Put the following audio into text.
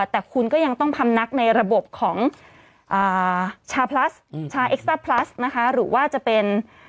แต่คุณก็ยังต้องพำนักในระบบของชาพลัสชาเอ็กซ่าพลัสนะคะหรือว่าจะเป็น